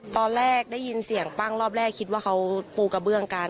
ตอนแรกได้ยินเสียงปั้งรอบแรกคิดว่าเขาปูกระเบื้องกัน